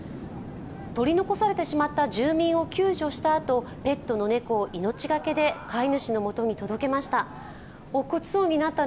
取り残されてしまった住民を救助したあと、ペットの猫を命がけで飼い主のもとへ届けました。